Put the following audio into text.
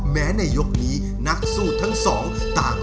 ร้องได้ให้ล้าน